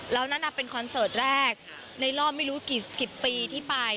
แล้วนั่นเป็นคอนเสิร์ตแรกในรอบไม่รู้กี่สิบปีที่ไป